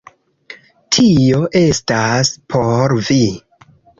Tio estas por vi!